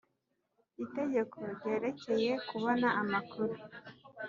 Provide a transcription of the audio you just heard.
Itegeko ryerekeye kubona amakuru